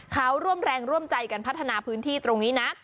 เขาร่วมแรงร่วมใจกันพัฒนาพื้นที่ตรงนี้นะ